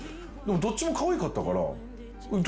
どっちもかわいかったから。